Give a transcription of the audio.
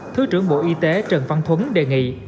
thứ trưởng bộ y tế trần văn thuấn đề nghị